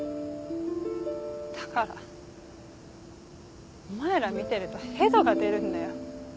だからお前ら見てるとヘドが出るんだよ。